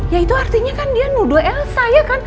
ya itu artinya kan dia nuduh elsa ya kan